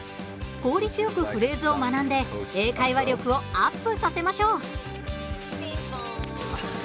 効率よくフレーズを学んで英会話力をアップさせましょう。